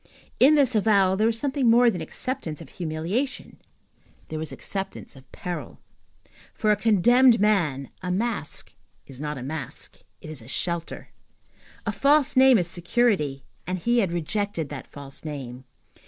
In this avowal there was something more than acceptance of humiliation, there was acceptance of peril. For a condemned man, a mask is not a mask, it is a shelter. A false name is security, and he had rejected that false name.